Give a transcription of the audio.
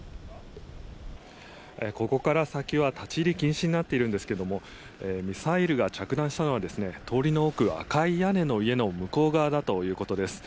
ここから先は立ち入り禁止になっているんですがミサイルが着弾したのは奥の赤い屋根の家の向こう側だということです。